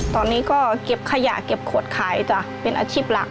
ตอนนี้ก็เก็บขยะเก็บขวดคลายเป็นอาชีพลักษณ์